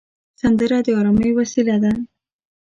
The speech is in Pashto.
سندره د ارامۍ وسیله ده